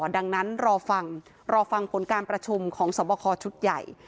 ดังนั้นรอฟังรอฟังผลการประชุมของสวบคอชุดใหญ่